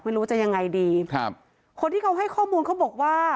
ไม่รู้จะยังไงดีครับคนที่เขาให้ข้อมูลเขาบอกว่า